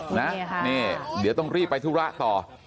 นี่ค่ะนี่เดี๋ยวต้องรีบไปธุระต่อ